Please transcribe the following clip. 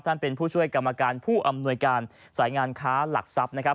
เป็นผู้ช่วยกรรมการผู้อำนวยการสายงานค้าหลักทรัพย์นะครับ